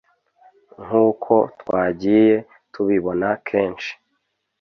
nk’uko twagiye tubibona kenshi